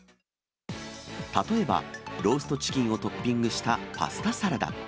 例えば、ローストチキンをトッピングしたパスタサラダ。